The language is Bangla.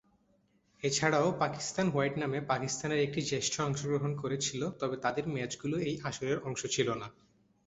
এছাড়াও, পাকিস্তান হোয়াইট নামে পাকিস্তানের একটি জ্যেষ্ঠ অংশগ্রহণ করেছিল; তবে, তাদের ম্যাচগুলো এই আসরের অংশ ছিল না।